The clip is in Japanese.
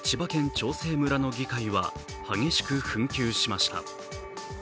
長生村の議会は激しく紛糾しました。